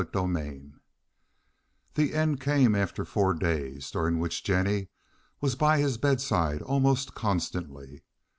CHAPTER LXII The end came after four days during which Jennie was by his bedside almost constantly.